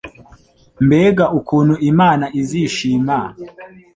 Mbega ukuntu mama azishima.